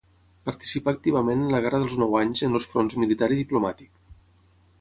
Participà activament en la Guerra dels Nou Anys en els fronts militar i diplomàtic.